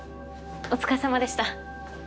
お疲れさまでした。